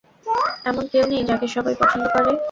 এমন কেউ নেই, যাকে সবাই পছন্দ করে।